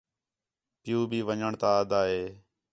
پِیؤ بھی ون٘ڄݨ تا آہدا ہِے